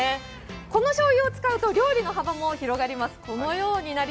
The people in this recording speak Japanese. このしょうゆを使うと料理の幅も広がります。